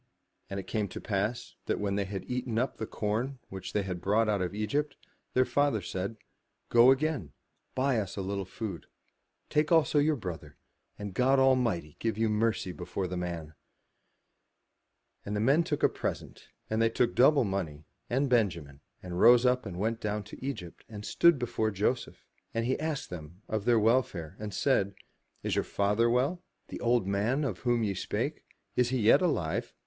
And it came to pass that when they had eaten up the corn which they had brought out of 297 MY BOOK HOUSE Egypt, their father said, Go again, buy us a Uttle food, take also your brother, and God Almighty give you mercy before the man/' And the men took a present and they took double money, and Benjamin; and rose up, and went down to Egypt, and stood before Joseph. And he asked them of their welfare, and said, " Is your father well, the old man of whom ye spake? Is he yet alive?